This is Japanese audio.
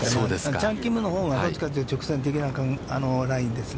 チャン・キムのほうがどっちかというと、直線的なラインですね。